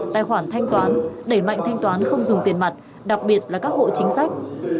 tài khoản thanh toán đẩy mạnh thanh toán không dùng tiền mặt đặc biệt là các hộ chính sách